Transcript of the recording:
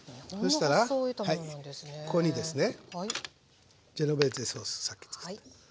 そうしたらここにですねジェノベーゼソースさっきつくった。